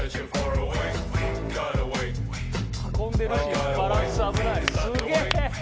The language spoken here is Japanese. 運んでるしバランス危ないすげえ！